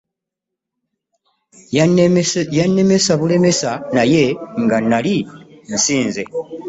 Yannemesa bulemesa naye nga nnali nsinze.